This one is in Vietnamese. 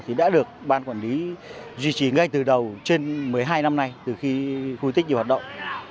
thì đã được ban quản lý duy trì ngay từ đầu trên một mươi hai năm nay từ khi khu di tích nhiều hoạt động